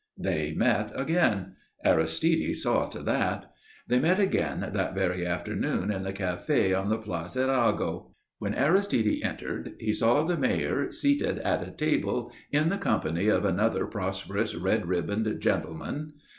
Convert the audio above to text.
They met again; Aristide saw to that. They met again that very afternoon in the café on the Place Arago. When Aristide entered he saw the Mayor seated at a table in the company of another prosperous, red ribboned gentleman.